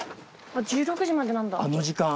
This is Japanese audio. １６時までなんだ。